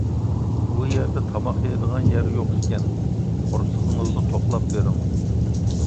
ئۇ يەردە تاماق يەيدىغان يەر يوق ئىكەن، قورسىقىڭىزنى توقلاپ بېرىڭ.